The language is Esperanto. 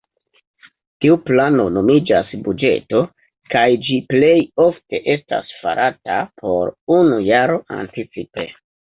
Tiu plano nomiĝas buĝeto, kaj ĝi plej ofte estas farata por unu jaro anticipe.